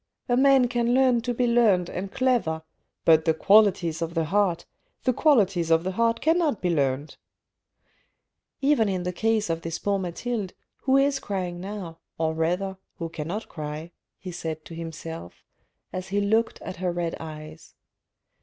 ' A man can learn to be learned and clever, but the qualities of the heart — the 504 THE RED AND THE BLACK qualities of the heart cannot be learnt.' Even in the case of this poor Mathilde, who is crying now, or rather, who cannot cry," he said to himself, as he looked at her red eyes.